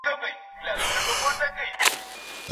هغه د کندهار په زړه کې ارام خوب کوي.